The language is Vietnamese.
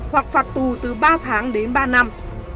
hoặc phạt tù từ ba tháng đến ba năm